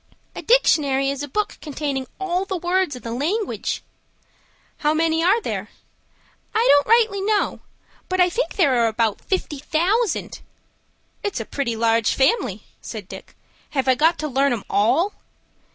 "A dictionary is a book containing all the words in the language." "How many are there?" "I don't rightly know; but I think there are about fifty thousand." "It's a pretty large family," said Dick. "Have I got to learn 'em all?"